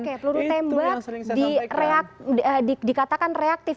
kayak peluru tembak dikatakan reaktif